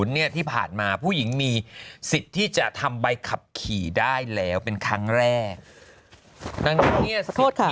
๖๐เนี่ยที่ผ่านมาผู้หญิงมีสิทธิ์ที่จะทำใบขับขี่ได้แล้วเป็นครั้งแรก